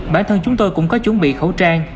bản thân chúng tôi cũng có chuẩn bị khẩu trang